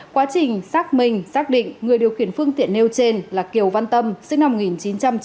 quá trình xác minh xác định người điều khiển phương tiện nêu trên là kiều văn tâm sinh năm một nghìn chín trăm chín mươi